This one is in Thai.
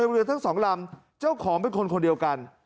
เรือลำทั้ง๒ลำเจ้าของเป็นคนเดียวกัน